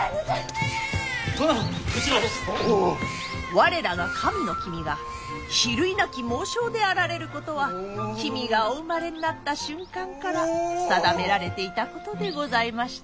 我らが神の君が比類なき猛将であられることは君がお生まれになった瞬間から定められていたことでございまして。